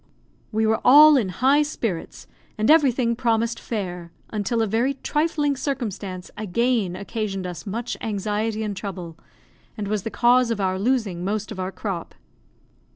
We were all in high spirits and everything promised fair, until a very trifling circumstance again occasioned us much anxiety and trouble, and was the cause of our losing most of our crop.